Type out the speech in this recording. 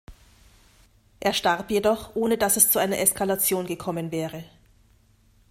Er starb jedoch, ohne dass es zu einer Eskalation gekommen wäre.